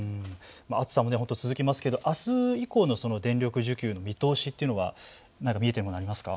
暑さも続きますがあす以降の電力需給の見通しというのは何か見えているもの、ありますか。